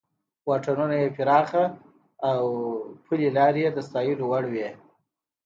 واټونه یې پراخه او پلې لارې یې د ستایلو وړ وې.